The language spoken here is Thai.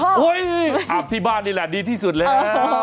อาบที่บ้านนี่แหละดีที่สุดแล้ว